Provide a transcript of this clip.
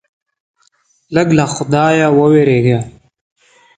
لږ له خدایه ووېرېږه.